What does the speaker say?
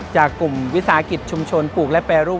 จากกลุ่มวิสาหกิจชุมชนปลูกและแปรรูป